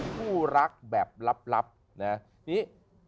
คู่รักแบบลับนะนี่